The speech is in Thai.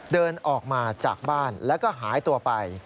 เดินออกมาจากบ้านแล้วก็หายตัวไป